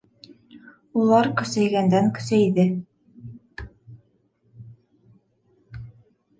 Улар көсәйгәндән-көсәйҙе.